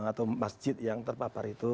atau masjid yang terpapar itu